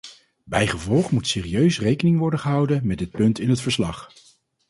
Bijgevolg moet serieus rekening worden gehouden met dit punt in het verslag.